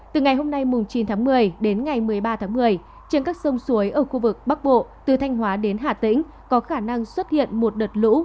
từ ngày hôm nay chín tháng một mươi đến ngày một mươi ba tháng một mươi trên các sông suối ở khu vực bắc bộ từ thanh hóa đến hà tĩnh có khả năng xuất hiện một đợt lũ